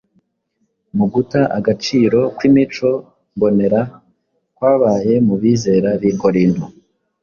Mu guta agaciro kw’imico mbonera kwabaye mu bizera b’i korinto,